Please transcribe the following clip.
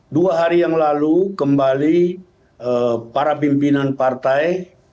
dua hari yang lalu kembali para pimpinan partai